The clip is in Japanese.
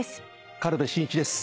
軽部真一です。